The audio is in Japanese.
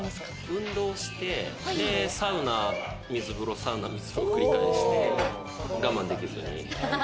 運動して、サウナ、水風呂、サウナ、水風呂を繰り返して、我慢できずに。